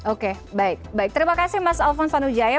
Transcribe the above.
oke baik terima kasih mas alfon sanujaya